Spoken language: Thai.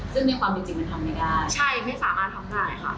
ซึ่งในความจริงมันทำไม่ได้ใช่ไม่สามารถทำได้ค่ะ